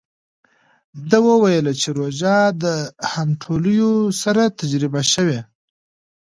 ده وویل چې روژه د همټولیو سره تجربه شوې.